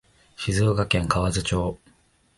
静岡県河津町